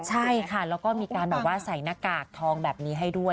ใช่ค่ะแล้วก็มีการแบบว่าใส่หน้ากากทองแบบนี้ให้ด้วย